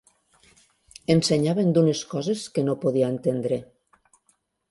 Ensenyaven d'unes coses que no podia entendre